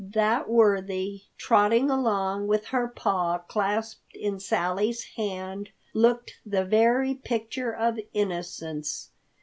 That worthy, trotting along with her paw clasped in Sally's hand, looked the very picture of innocence.